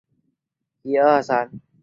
第一代火影和第二代火影的弟子。